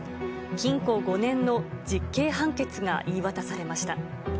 禁錮５年の実刑判決が言い渡されました。